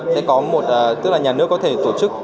sẽ có một nhà nước có thể tổ chức